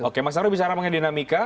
oke oke mas sabri bicara mengenai dinamika